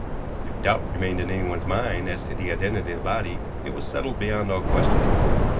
If doubt remained in anyone's mind as to the identity of the body, it was settled beyond all question.